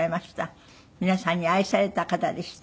皆さんに愛された方でした。